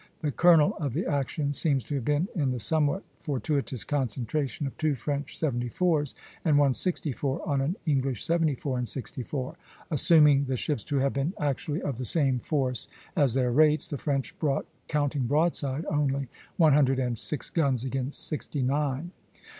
The kernel of the action seems to have been in the somewhat fortuitous concentration of two French seventy fours and one sixty four on an English seventy four and sixty four. Assuming the ships to have been actually of the same force as their rates, the French brought, counting broadside only, one hundred and six guns against sixty nine.